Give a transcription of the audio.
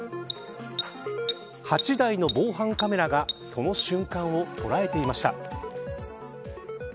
８台の防犯カメラがその瞬間を捉えていました。